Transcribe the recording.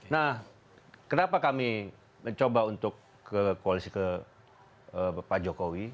nah kenapa kami mencoba untuk ke koalisi ke pak jokowi